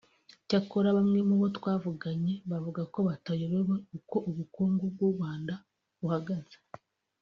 Cyakora bamwe mu bo twavuganye bavuga ko batayobewe uko ubukungu bw’u Rwanda buhagaze